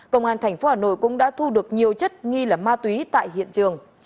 công an tp hà nội cũng đã thu được nhiều chất nghi là ma túy tại hiện trường